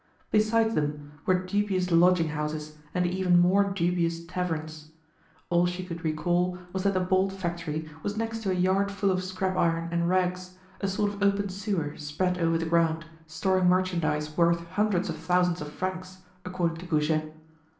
Beside them were dubious lodging houses and even more dubious taverns. All she could recall was that the bolt factory was next to a yard full of scrap iron and rags, a sort of open sewer spread over the ground, storing merchandise worth hundreds of thousands of francs, according to Goujet.